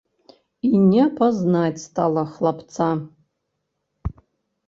І не пазнаць стала хлапца.